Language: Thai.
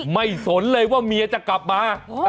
สนเลยว่าเมียจะกลับมา